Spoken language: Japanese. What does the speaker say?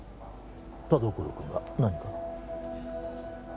田所君が何か？